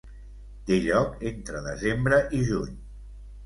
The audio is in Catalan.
Té lloc entre desembre i juny.